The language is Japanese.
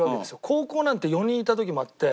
高校なんて４人いた時もあって。